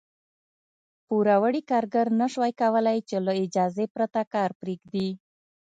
پوروړي کارګر نه شوای کولای چې له اجازې پرته کار پرېږدي.